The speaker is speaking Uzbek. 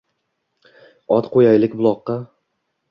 Ot qo‘yaylik buloqqa.